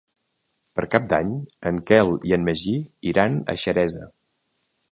Per Cap d'Any en Quel i en Magí iran a Xeresa.